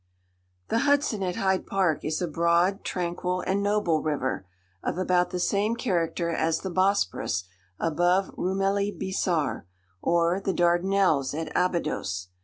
The Hudson at Hyde Park is a broad, tranquil, and noble river, of about the same character as the Bosphorus above Roumeli bissar, or the Dardanelles at Abydos.